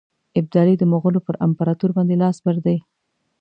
ابدالي د مغولو پر امپراطور باندي لاس بر دی.